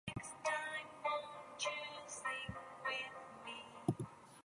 Two new message boards also were installed at the main entrance.